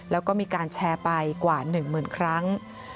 แล้วก็มีการแชร์ไปกว่า๑หมื่นครั้ง